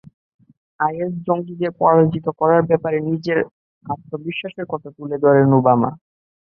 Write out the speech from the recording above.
Is জঙ্গিদের পরাজিত করার ব্যাপারে নিজের আত্মবিশ্বাসের কথা তুলে ধরেন ওবামা।